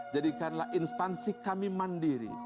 jadikanlah instansi kami mandiri